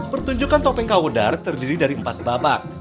pertunjukan topeng kawedar terdiri dari empat babak